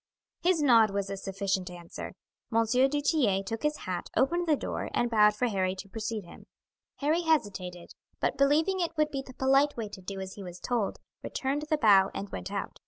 His nod was a sufficient answer. M. du Tillet took his hat, opened the door, and bowed for Harry to precede him. Harry hesitated, but believing it would be the polite way to do as he was told, returned the bow and went out.